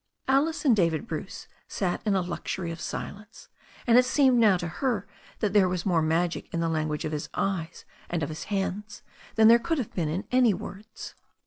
Alice and David Bruce sat in a luxury of silence, and it seemed now to her that there was more magic in the lan guage of his eyes and of his hands than there could have been in any words.